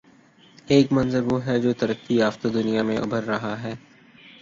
ایک منظروہ ہے جو ترقی یافتہ دنیا میں ابھر رہا ہے۔